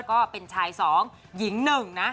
ก็เป็นชายสองหญิงหนึ่งนะ